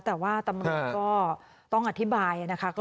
แต่ว่าตำรวจก็ต้องอธิบายนะคะ